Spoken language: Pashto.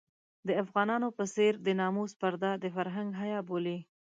د افغانانو په څېر د ناموس پرده د فرهنګ حيا بولي.